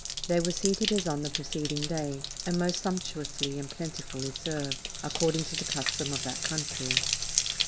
They were seated as on the preceding day, and most sumptuously and plentifully served, according to the custom of that country.